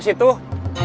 tidak ada yang tahu